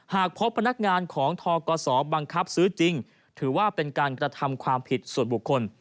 หากพบพนักงานของทกศบังคับซื้อจริงถือว่าเป็นการกระทำความผิดส่วนบุคคล